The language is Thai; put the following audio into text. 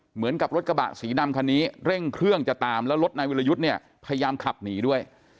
เหมือนกับรถกระบะสีดำคันนี้เร่งเครื่องจะตามแล้วรถนายวิรยุทธ์เนี่ยพยายามขับหนีด้วย